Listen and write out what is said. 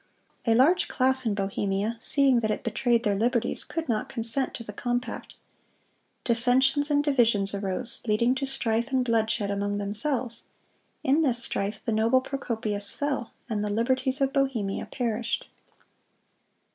A large class in Bohemia, seeing that it betrayed their liberties, could not consent to the compact. Dissensions and divisions arose, leading to strife and bloodshed among themselves. In this strife the noble Procopius fell, and the liberties of Bohemia perished.